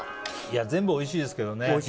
全部おいしいですけどね。